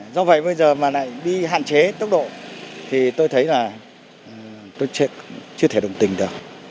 do vậy bây giờ mà lại đi hạn chế tốc độ thì tôi thấy là tôi chưa thể đồng tình được